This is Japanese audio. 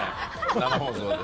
生放送で。